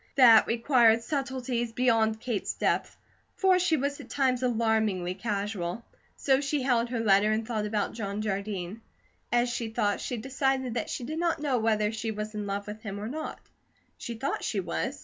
That required subtleties beyond Kate's depth, for she was at times alarmingly casual. So she held her letter and thought about John Jardine. As she thought, she decided that she did not know whether she was in love with him or not; she thought she was.